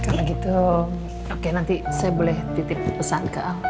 kalau gitu oke nanti saya boleh titip pesan ke aku